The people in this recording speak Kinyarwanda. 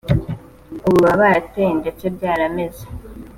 ubu baba barateye ndetse byarameze